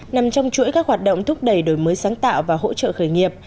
nằm trong chuỗi các hoạt động thúc đẩy đổi mới sáng tạo và hỗ trợ khởi nghiệp